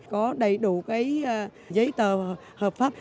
có đầy đủ cái giấy tờ hợp pháp